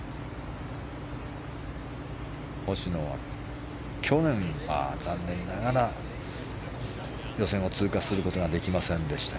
星野は去年は残念ながら予選を通過することができませんでした。